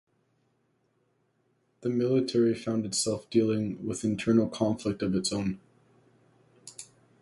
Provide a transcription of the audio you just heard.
The military found itself dealing with internal conflict of its own.